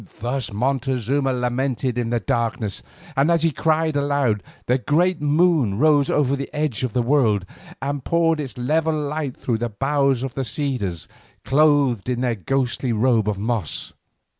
Thus Montezuma lamented in the darkness, and as he cried aloud the great moon rose over the edge of the world and poured its level light through the boughs of the cedars clothed in their ghostly robe of moss.